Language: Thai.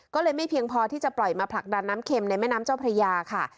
ก็เลยไม่เพียงพอที่จะปล่อยมาผลักดันน้ำเข็มในแม่น้ำเจ้าพระยาค่ะ